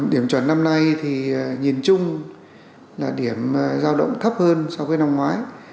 điểm chuẩn năm nay thì nhìn chung là điểm giao động thấp hơn so với năm ngoái